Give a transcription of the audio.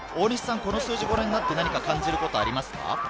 この数字をご覧になって何か感じることはありますか？